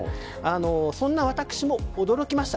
そんな私も驚きました。